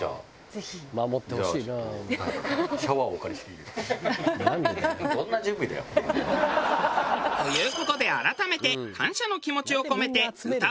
ぜひ！ハハハハ！という事で改めて感謝の気持ちを込めて歌を披露。